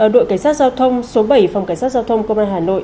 đội cảnh sát giao thông số bảy phòng cảnh sát giao thông công an hà nội